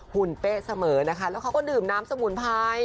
ุ่นเป๊ะเสมอนะคะแล้วเขาก็ดื่มน้ำสมุนไพร